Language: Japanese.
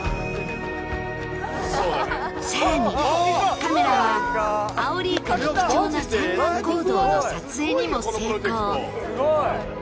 更にカメラはアオリイカの貴重な産卵行動の撮影にも成功。